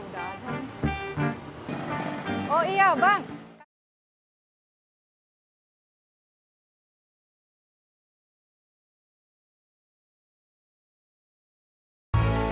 kamu pulang si payah